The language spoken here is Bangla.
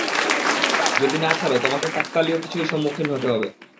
যদি না ছাড়ো, তোমাকে কাকতালীয় কিছুই সম্মুখীন হতে হবে।